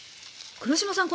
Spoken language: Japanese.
黒島さん